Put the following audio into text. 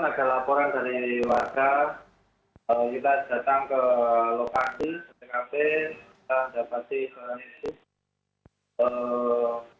ada laporan dari wakil